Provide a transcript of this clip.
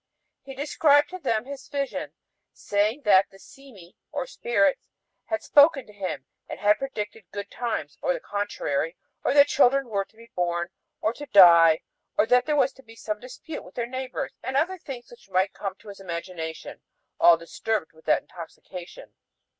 He described to them his vision, saying that the Cemi [spirits] had spoken to him and had predicted good times or the contrary, or that children were to be born, or to die, or that there was to be some dispute with their neighbors, and other things which might come to his imagination, all disturbed with that intoxication."